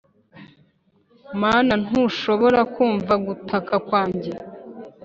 mana, ntushobora kumva gutaka kwanjye?